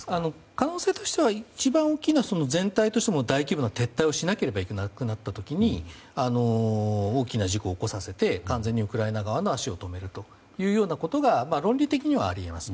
可能性としては一番大きな、大規模な撤退をしなければいけなくなった時に大きな事故を起こさせて完全にウクライナ側の足を止めるというようなことが論理的にはあり得ます。